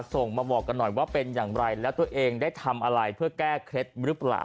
ส่งมาบอกกันหน่อยว่าเป็นอย่างไรแล้วตัวเองได้ทำอะไรเพื่อแก้เคล็ดหรือเปล่า